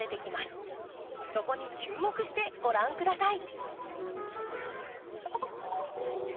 そこに注目してご覧下さい。